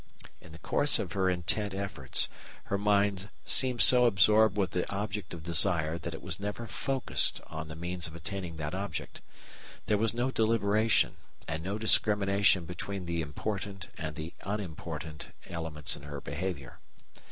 "In the course of her intent efforts her mind seemed so absorbed with the object of desire that it was never focussed on the means of attaining that object. There was no deliberation, and no discrimination between the important and the unimportant elements in her behaviour.